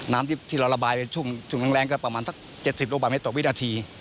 น้ำที่เราระบายไปช่วงแรงก็ประมาณสัก๗๐ลูกบาทเมตรต่อวินาที